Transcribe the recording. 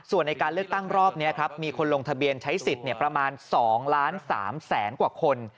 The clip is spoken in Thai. ส่วนในการเลือกตั้งรอบนี้ครับมีคนลงทะเบียนใช้สิทธิ์ประมาณ๒ล้าน๓แสนกว่าคน